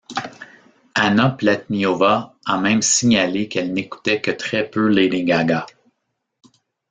Anna Pletnyova a même signalé qu'elle n'écoutait que très peu Lady Gaga.